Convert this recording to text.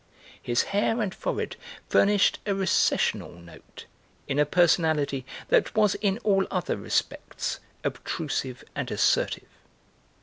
His hair and forehead furnished a recessional note in a personality that was in all other respects obtrusive and assertive.